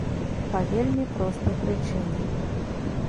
Па вельмі простай прычыне.